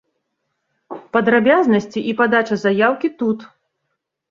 Падрабязнасці і падача заяўкі тут.